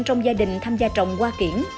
trong gia đình tham gia trồng hoa kiển